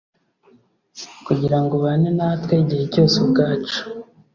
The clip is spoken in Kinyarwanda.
kugira ngo ubane natwe igihe cyose ubwacu